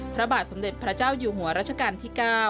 พระบาทสมเด็จพระเจ้าอยู่หัวรัชกาลที่๙